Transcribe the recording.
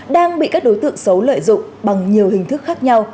đang bị các đối tượng xấu lợi dụng bằng nhiều hình thức khác nhau